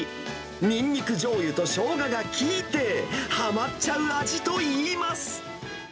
にんにくじょうゆとしょうがが効いて、はまっちゃう味といいます。